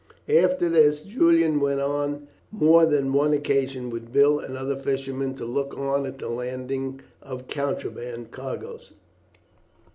After this Julian went on more than one occasion with Bill and other fishermen to look on at the landing of contraband cargoes.